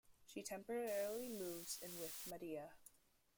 She temporarily moves in with Madea.